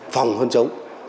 phòng hơn chống